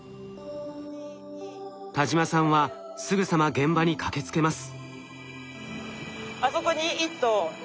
田島さんはすぐさま現場に駆けつけます。